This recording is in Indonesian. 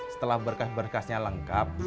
setelah berkas berkasnya lengkap